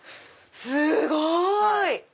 すごい！